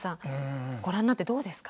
ご覧になってどうですか？